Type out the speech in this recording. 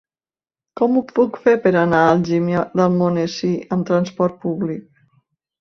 Com ho puc fer per anar a Algímia d'Almonesir amb transport públic?